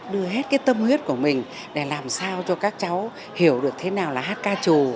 đưa hết cái tâm huyết của mình để làm sao cho các cháu hiểu được thế nào là hát ca trù